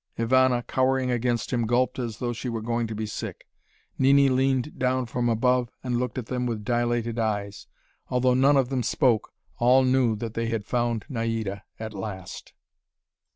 Ivana, cowering against him, gulped as though she were going to be sick. Nini leaned down from above and looked at them with dilated eyes. Although none of them spoke, all knew that they had found Naida at last.